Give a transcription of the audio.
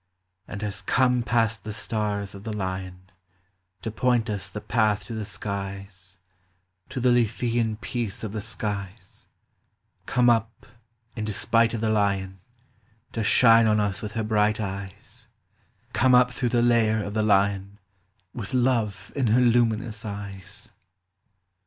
And has come past the stars of the Lion To point us the path to the skies, To the Lethean peace of the skies : Come up, in despite of the Lion, To shine on us with her bright eyes : Come up through the lair of the Lion, With love in her luminous eyes."